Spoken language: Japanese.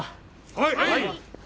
はい！